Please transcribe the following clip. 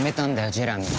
ジェラミー。